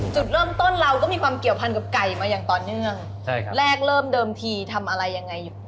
จุดเริ่มต้นเราก็มีความเกี่ยวพันกับไก่มาอย่างต่อเนื่องใช่ครับแรกเริ่มเดิมทีทำอะไรยังไงอยู่